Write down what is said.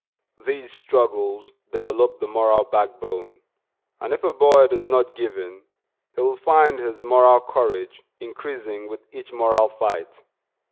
These struggles develop the moral backbone; and if a boy does not give in, he will find his moral courage increasing with each moral fight.